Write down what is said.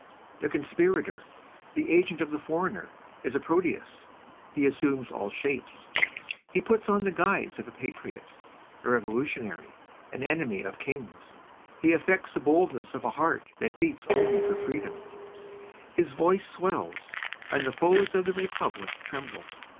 The conspirator, the agent of the foreigner is a Proteus, he assumes all shapes, he puts on the guise of a patriot, a revolutionary, an enemy of Kings; he affects the boldness of a heart that beats only for freedom; his voice swells, and the foes of the Republic tremble.